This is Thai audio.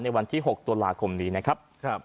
วันที่๖ตุลาคมนี้นะครับ